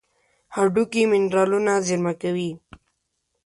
هډوکي منرالونه زیرمه کوي.